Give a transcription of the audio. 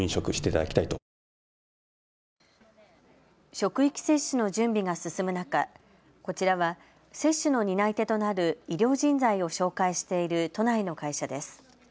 職域接種の準備が進む中、こちらは接種の担い手となる医療人材を紹介している都内の会社です。